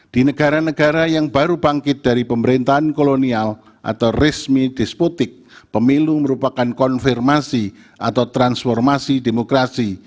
di negara negara yang baru bangkit dari pemerintahan kolonial atau resmi disputik pemilu merupakan konfirmasi atau transformasi demokrasi